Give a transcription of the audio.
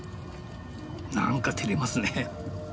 なんかてれますね。